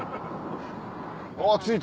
あっ着いた。